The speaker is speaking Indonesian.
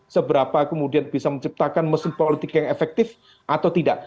seberapa kemudian bisa menciptakan mesin politik yang efektif atau tidak